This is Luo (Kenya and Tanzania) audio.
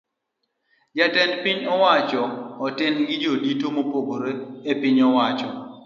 Jatend piny owacho oten gi jodito mopogore epiny owacho.